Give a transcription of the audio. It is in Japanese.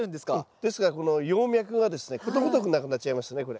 ですからこの葉脈がことごとくなくなっちゃいますねこれ。